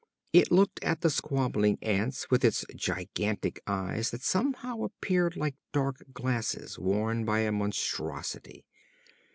It looked at the squabbling ants with its gigantic eyes that somehow appeared like dark glasses worn by a monstrosity.